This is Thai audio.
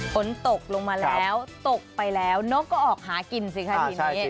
ฝนตกลงมาแล้วตกไปแล้วนกก็ออกหากินสิคะทีนี้